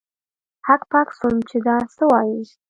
هک پک سوم چې دا څه وايي.